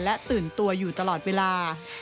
และตื่นตัวอยู่ตลอดเวลา